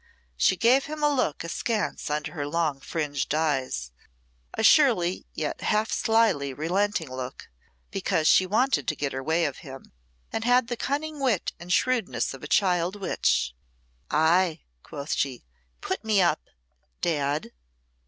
She gave him a look askance under her long fringed lids a surly yet half slyly relenting look, because she wanted to get her way of him, and had the cunning wit and shrewdness of a child witch. "Ay!" quoth she. "Put me up Dad!"